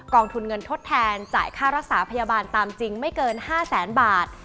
องทุนเงินทดแทนจ่ายค่ารักษาพยาบาลตามจริงไม่เกิน๕แสนบาท